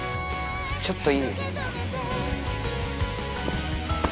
ちょっといい？